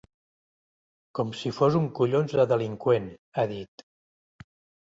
Com si fos un collons de delinqüent, ha dit.